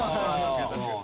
確かに。